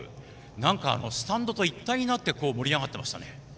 何か、スタンドと一体になって盛り上がってましたね。